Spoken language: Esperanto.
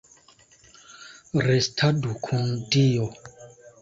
Restadu kun Dio!